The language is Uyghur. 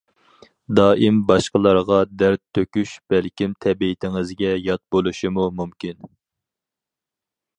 دائىم باشقىلارغا دەرد تۆكۈش، بەلكىم تەبىئىتىڭىزگە يات بولۇشىمۇ مۇمكىن.